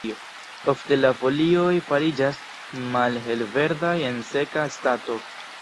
Ofte la folioj fariĝas malhelverdaj en seka stato.